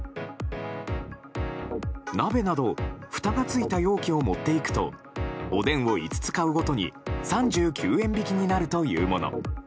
鍋などふたがついた容器を持っていくとおでんを５つ買うごとに３９円引きになるというもの。